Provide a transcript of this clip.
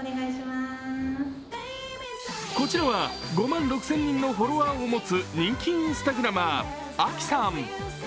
こちらは５万６０００人のフォロワーを持つ人気インスタグラマー、Ａｋｉさん。